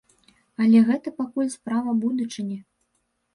Але гэта пакуль справа будучыні.